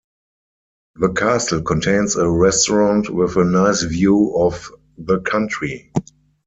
The castle contains a restaurant with a nice view of the country.